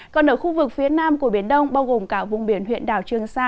còn ở khu vực phía nam của biển đông bao gồm cả vùng biển huyện đảo trường sa